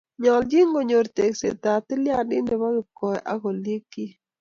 Nyoljin konyor tekseetab tilyandit ne bo kipkoi ak olikyik